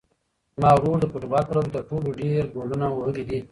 زما ورور د فوټبال په لوبه کې تر ټولو ډېر ګولونه وهلي دي.